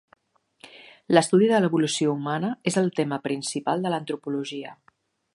L'estudi de l'evolució humana és el tema principal de l'antropologia.